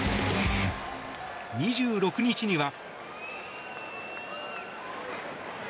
２６日には。